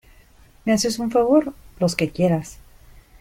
¿ me haces un favor? los que quieras.